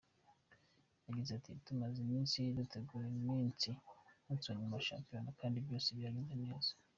Yagize ati: “Tumaze iminsi dutegura umunsi wa nyuma wa shampiyona kandi byose byagenze neza.